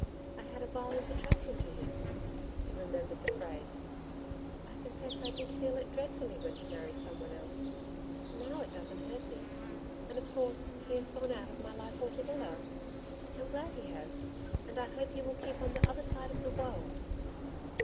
I had a violent attraction to him,' he remembered the phrase 'I confess I did feel it dreadfully when he married someone else. Now it doesn't hurt me. And of course, he has gone out of my life altogether. I'm glad he has, and I hope he will keep on the other side of the world.'